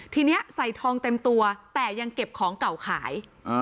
ทีนี้ใส่ทองเต็มตัวแต่ยังเก็บของเก่าขาย